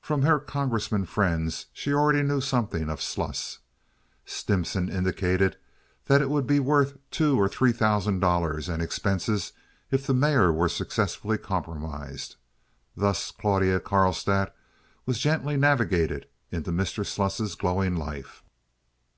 From her Congressmen friends she already knew something of Sluss. Stimson indicated that it would be worth two or three thousand dollars and expenses if the mayor were successfully compromised. Thus Claudia Carlstadt was gently navigated into Mr. Sluss's glowing life.